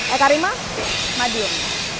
eka rima madiun